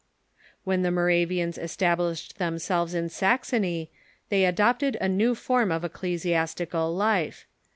When the Moravians established themselves in Saxony they adopted a new form of ecclesiastical life.